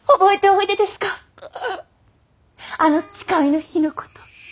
あの誓いの日のこと。